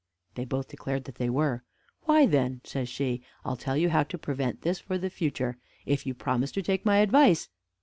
They both declared that they were. "Why, then," says she, "I'll tell you how to prevent this for the future, if you promise to take my advice."